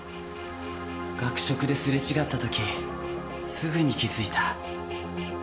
学食ですれ違った時すぐに気づいた。